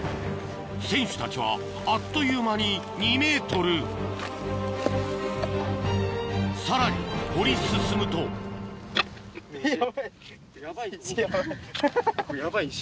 選手たちはあっという間に２ｍさらに掘り進むとこれヤバい石。